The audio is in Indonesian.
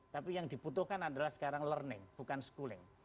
tapi yang dibutuhkan adalah sekarang learning bukan schooling